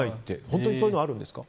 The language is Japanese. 本当にそういうのあるんですか。